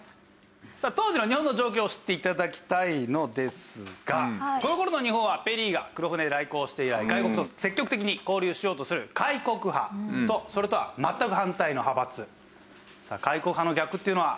さあ当時の日本の状況を知って頂きたいのですがこの頃の日本はペリーが黒船で来航して以来外国と積極的に交流しようとする開国派とそれとは全く反対の派閥さあ開国派の逆っていうのは林先生。